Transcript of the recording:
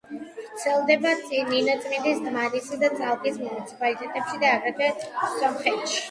ვრცელდება ნინოწმინდის, დმანისის და წალკის მუნიციპალიტეტებში და აგრეთვე სომხეთში.